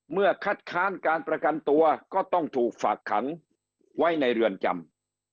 คัดค้านการประกันตัวก็ต้องถูกฝากขังไว้ในเรือนจำ